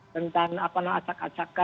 rentan apa namanya acak acakan